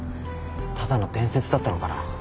ただの伝説だったのかな。